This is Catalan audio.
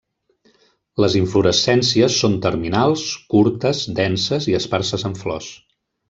Les inflorescències són terminals, curtes, denses i esparses en flors.